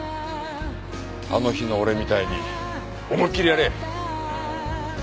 あの日の俺みたいに思いっきりやれ！